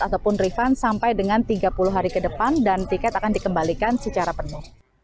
ataupun refund sampai dengan tiga puluh hari ke depan dan tiket akan dikembalikan secara penuh